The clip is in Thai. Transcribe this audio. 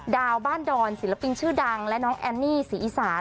บ้านดอนศิลปินชื่อดังและน้องแอนนี่ศรีอีสาน